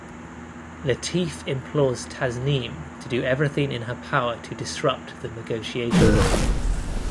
Latif implores Tasneem to do everything in her power to disrupt the negotiations.